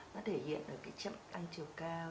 nó thể hiện ở cái chấm ăn chiều cao